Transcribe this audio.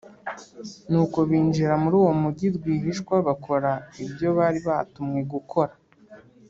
Nuko binjira muri uwo mugi rwihishwa bakora ibyo bari batumwe gukora.